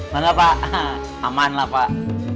gapapa aman lah pak